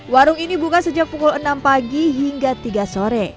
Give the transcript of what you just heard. warung ini buka sejak pukul enam pagi hingga tiga sore